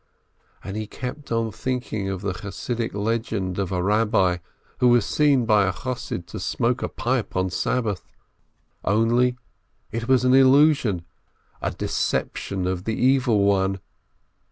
And he kept on thinking of the Chassidic legend of a Eabbi who was seen by a Chossid to smoke a pipe on Sabbath. Only it was an illusion, a deception of the Evil One.